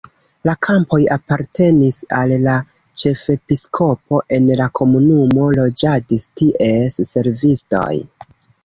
La kampoj apartenis al la ĉefepiskopo, en la komunumo loĝadis ties servistoj.